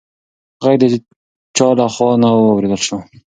غږ د چا لخوا نه و اورېدل شوې.